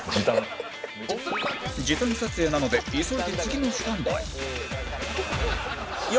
時短撮影なので急いで次のスタンバイ